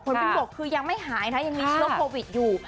ผลเป็นบวกคือยังไม่หายนะยังมีเชื้อโควิดอยู่